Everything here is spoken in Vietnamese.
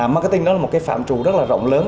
marketing đó là một cái phạm trụ rất là rộng lớn